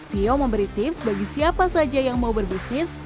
tio memberi tips bagi siapa saja yang mau berbisnis